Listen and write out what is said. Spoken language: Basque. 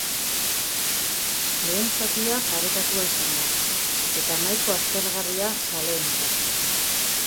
Lehen zatia parekatua izan da, eta nahiko aspergarria zaleentzat.